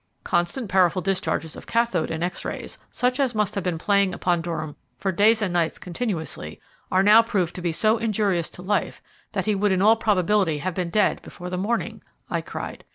"Constant powerful discharges of cathode and X rays, such as must have been playing upon Durham for days and nights continuously, are now proved to be so injurious to life, that he would in all probability have been dead before the morning," I cried.